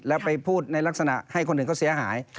แล้วไปพูดในลักษณะให้คนอื่นเขาเสียหาย